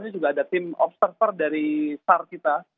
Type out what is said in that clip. ini juga ada tim observer dari sar kita